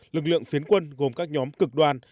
lực lượng phiến quân gồm các nhóm cực đoan